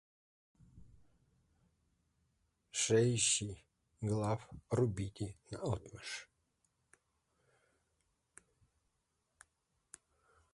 Шеищи глав рубите наотмашь!